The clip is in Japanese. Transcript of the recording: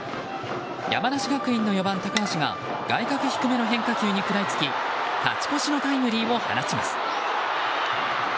山梨学院の４番、高橋が外角低めの変化球に食らいつき勝ち越しのタイムリーを放ちます。